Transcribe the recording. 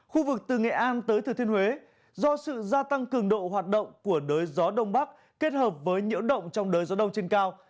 khu vực từ nghệ an tới thừa thiên huế do sự gia tăng cường độ hoạt động của đới gió đông bắc kết hợp với nhiễu động trong đời gió đông trên cao